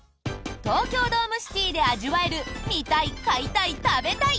東京ドームシティで味わえる「見たい買いたい食べたい」。